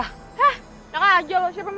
hah tengah aja lo siapa ini